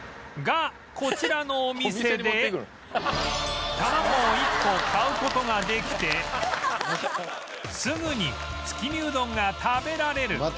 がこちらのお店で卵を１個買う事ができてすぐに月見うどんが食べられる